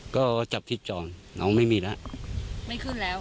ก็จับทิศจรน้องไม่มีแล้ว